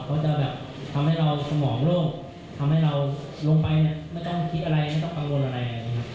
เขาจะแบบทำให้เราสมองโลกทำให้เราลงไปไม่ต้องคิดอะไรไม่ต้องกังวลอะไรนะครับ